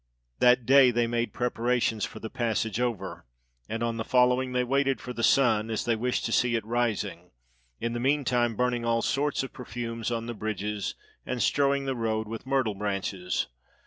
360 XERXES SETS OUT TO CONQUER GREECE That day they made preparations for the passage over; and on the following they waited for the sun, as they wished to see it rising, in the mean time burning all sorts of perfumes on the bridges, and strewing the road with myrtle branches.